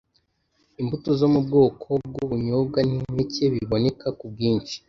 imbuto zo mu bwoko bw’ubunyobwa n’impeke biboneka ku bwinshi.